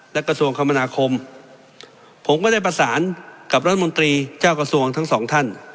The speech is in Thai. และกระทรวงคมนาคมผมก็ได้ประสานกับรัฐมนตรีเจ้ากระทรวงทั้งสองท่าน